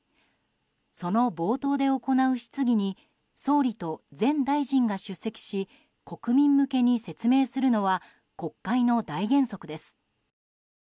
その冒頭で行う質疑に総理と全大臣が出席し国民向けに説明するのは国会の大原則です。